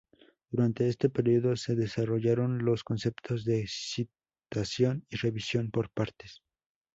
Durante este período se desarrollaron los conceptos de citación y revisión por pares.